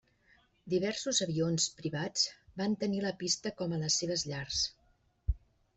Diversos avions privats van tenir la pista com a les seves llars.